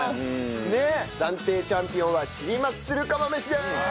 暫定チャンピオンはチリマッスル釜飯です！